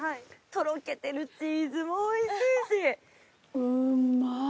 とろけてるチーズもおいしいし。